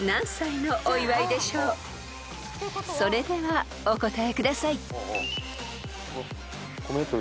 ［それではお答えください］